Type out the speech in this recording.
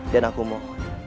dan aku mau